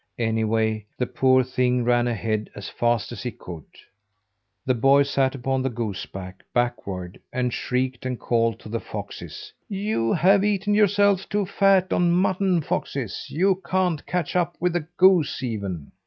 Anyway, the poor thing ran ahead as fast as he could. The boy sat upon the goose back backward and shrieked and called to the foxes. "You have eaten yourselves too fat on mutton, foxes. You can't catch up with a goose even."